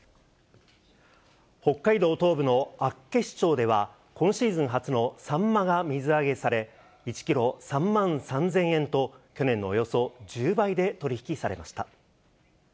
北海道東部の厚岸町では、今シーズン初のサンマが水揚げされ、１キロ３万３０００円と、去年のおよそ１０倍で取り引きされました。